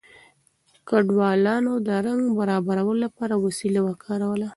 ګډونوالو د رنګ برابرولو لپاره وسیله وکاروله.